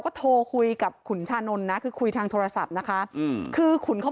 ก็โทรคุยกับขุนชานนท์นะคือคุยทางโทรศัพท์นะคะอืมคือขุนเขา